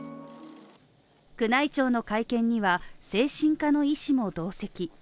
宮内庁の会見には精神科の医師も同席。